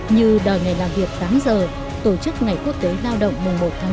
như đòi ngày làm việc tám giờ tổ chức ngày quốc tế lao động mùng một tháng năm